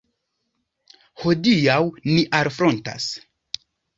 Hodiaŭ ni alfrontas.